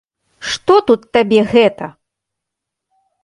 Што тут табе гэта!